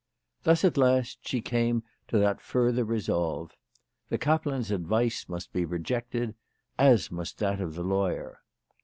Thus at last she came to that further resolve. The kap lan's advice must be rejected, as must that of the lawyer.